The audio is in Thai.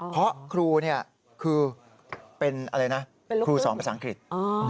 เพราะครูเป็นครูศอมศังกริจ